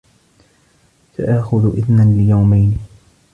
سآخذ إذنا ليومين.